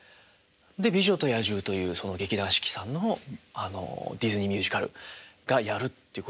で「美女と野獣」というその劇団四季さんのあのディズニーミュージカルがやるっていうことで。